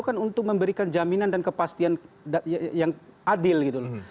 kan untuk memberikan jaminan dan kepastian yang adil gitu loh